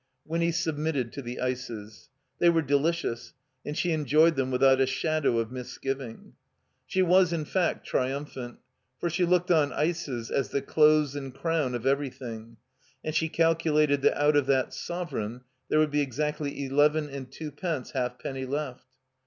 Winny submitted to the ices. They were delicious, and she enjoyed them without a shadow of misgiving. She was, in fact, triumphant, for she looked on ices as the close and crown of every thing, and she calculated that out of that sovereign there would be exactly eleven and twopence half penny left.